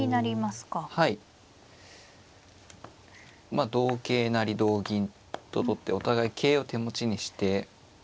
まあ同桂成同銀と取ってお互い桂を手持ちにして。